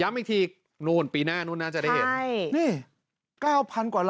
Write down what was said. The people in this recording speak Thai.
ย้ำอีกทีโน้นปีหน้านู้นน่าจะได้เห็นใช่นี่๙๐๐๐กว่าไลค์อืม